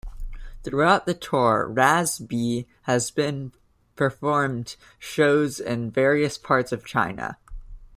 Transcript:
Throughout the tour Raz B has been performed shows in various parts of China.